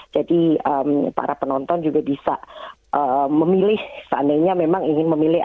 jadi para penonton juga bisa memilih seandainya memang ingin memilih